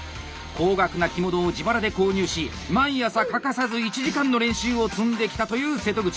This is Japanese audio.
高額な着物を自腹で購入し毎朝欠かさず１時間の練習を積んできたという瀬戸口。